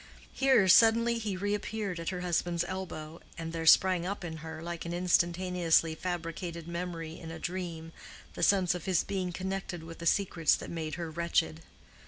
Here suddenly he reappeared at her husband's elbow, and there sprang up in her, like an instantaneously fabricated memory in a dream, the sense of his being connected with the secrets that made her wretched.